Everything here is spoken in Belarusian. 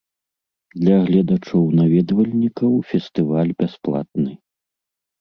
Для гледачоў-наведвальнікаў фестываль бясплатны.